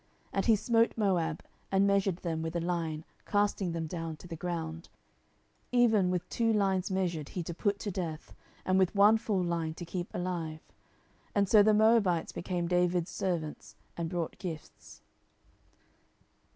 10:008:002 And he smote Moab, and measured them with a line, casting them down to the ground; even with two lines measured he to put to death, and with one full line to keep alive. And so the Moabites became David's servants, and brought gifts.